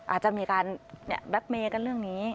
อาจจะมีการแบล็กเมย์กันเรื่องนี้